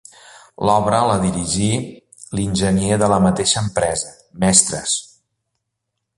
L'obra la dirigí l'enginyer de la mateixa empresa, Mestres.